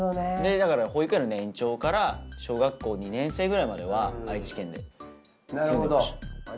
だから保育園の年長から小学校２年生くらいまでは愛知県で住んでました。